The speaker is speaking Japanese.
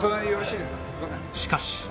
しかし